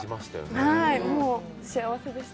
もう、幸せでした。